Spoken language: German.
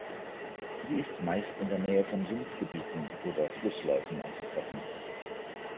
Sie ist meist in der Nähe von Sumpfgebieten oder Flussläufen anzutreffen.